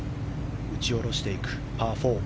打ち下ろしていくパー